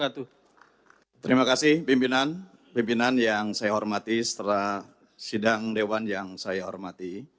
terima kasih pimpinan pimpinan yang saya hormati setelah sidang dewan yang saya hormati